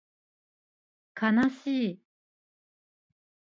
かなしい